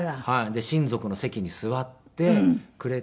で親族の席に座ってくれて。